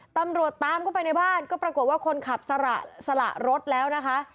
ตำรวจตามเข้าไปในบ้านก็ปรากฏว่าคนขับสละรถแล้วนะคะ